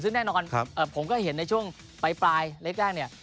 ซึ่งแน่นอนผมก็เห็นในช่วงปลายเล็กแรกเนี่ย